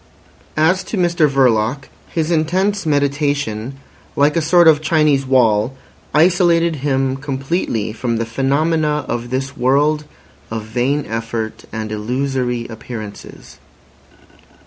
As to Mr Verloc, his intense meditation, like a sort of Chinese wall, isolated him completely from the phenomena of this world of vain effort and illusory appearances.